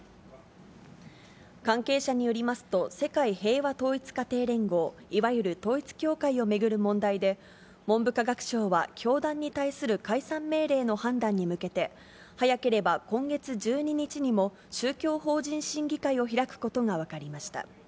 関係者によりますと、世界平和統一家庭連合、いわゆる統一教会を巡る問題で、文部科学省は、教団に対する解散命令の判断に向けて、早ければ今月１２日にも、宗教法人審議会を開くことが分かりました。